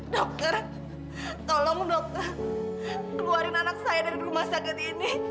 dokter tolong dokter keluarin anak saya dari rumah sakit ini